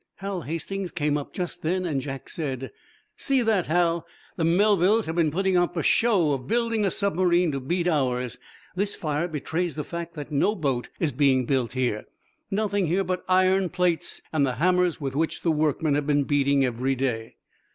Hal Hastings came up just then and Jack said: "See that, Hal? The Melvilles have been putting up a show of building a submarine to beat ours. This fire betrays the fact that no boat is being built here. Nothing here but iron plates and the hammers with which the workmen have been beating every day!"